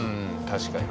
確かに。